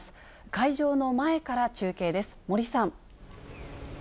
会場の前から中継です。